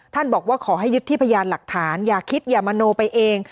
บอกว่าขอให้ยึดที่พยานหลักฐานอย่าคิดอย่ามโนไปเอง